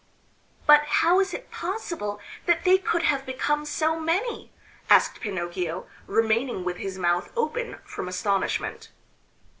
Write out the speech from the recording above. "But how is it possible that they could have become so many?" asked Pinocchio, remaining with his mouth open from astonishment.